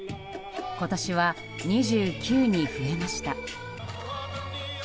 今年は２９に増えました。